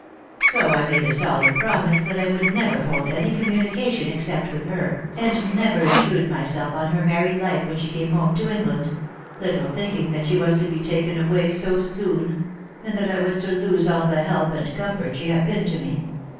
So I made a solemn promise that I would never hold any commu nication except with her, and never intrude myself on her mar ried life when she came home to England ; little thinking that she was to be taken away so soon, and that I was to lose all 364 Lost for Love. the help and comfort that she had been to me.